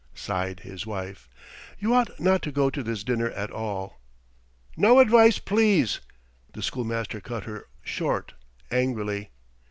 sighed his wife. "You ought not to go to this dinner at all." "No advice, please!" the schoolmaster cut her short angrily.